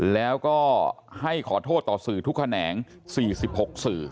แล้วก็ให้ขอโทษต่อสื่อทุกแขนง๔๖สื่อ